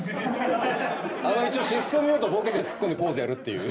一応システム言うとボケてツッコんでポーズやるっていう。